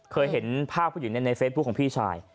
เคยเห็นภาพผู้หญิงในเฟซบุ๊คของพี่ชาย